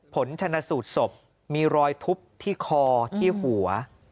ผลชนะสูตรศพมีรอยทุบที่คอที่หัว